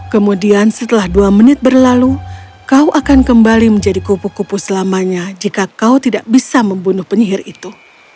kemudian setelah dua menit berlalu kau akan kembali menjadi kupu kupu selamanya jika kau tidak bisa membunuh penyihir itu